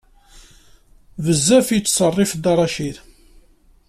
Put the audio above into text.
Bezzaf i yettṣerrif Dda Racid.